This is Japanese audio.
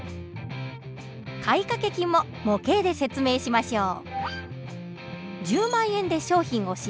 買掛金も模型で説明しましょう。